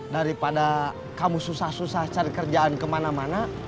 daripada kamu susah susah cari kerjaan kemana mana